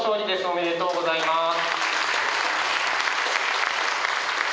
おめでとうございます。